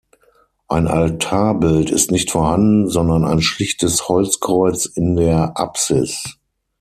Ein Altarbild ist nicht vorhanden, sondern ein schlichtes Holzkreuz in der Apsis.